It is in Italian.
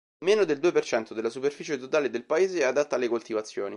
Meno del due per cento della superficie totale del paese è adatta alle coltivazioni.